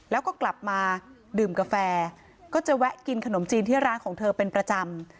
แล้วก็กลับมาดื่มกาแฟก็จะแวะกินขนมจีนที่ร้านของเธอเป็นประจำ